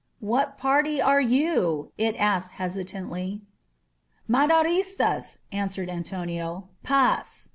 *^What party are you?" it asked hesitantly. "Maderistas," answered Antonio. "Fass!"